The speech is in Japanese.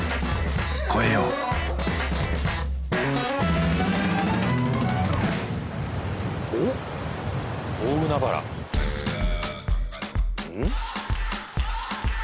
越えようおっ大海原うん？